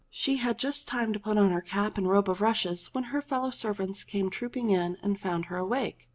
She had just time to put on her cap and robe of rushes, when her fellow servants came trooping in and found her awake.